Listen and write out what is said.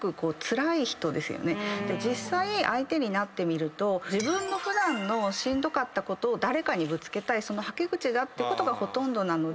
実際相手になってみると普段のしんどかったことを誰かにぶつけたいそのはけ口だってことがほとんどなので。